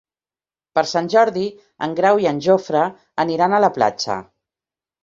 Per Sant Jordi en Grau i en Jofre aniran a la platja.